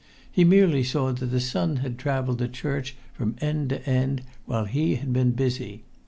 He merely saw that the sun had travelled the church from end to end while he had been busy.